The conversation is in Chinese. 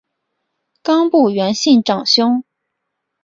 冈部元信长兄。